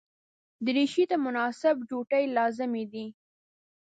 دریشي ته مناسب جوتي لازمي دي.